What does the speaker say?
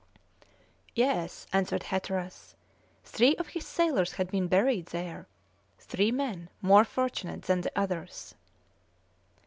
"Yes," answered Hatteras, "three of his sailors had been buried there three men more fortunate than the others!"